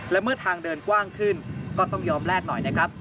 และเมื่อทางเดินกว้างขึ้นก็ต้องยอมแลกหน่อยนะครับ